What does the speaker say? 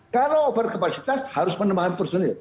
kalau over capacity harus penambahan personil